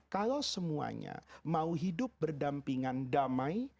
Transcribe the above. kalau semuanya mau hidup berdampingan damai